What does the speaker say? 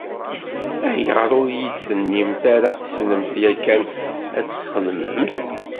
Ayɣer ur iyi-d-tennimt ara tessnemt yakan ad t-txedmemt?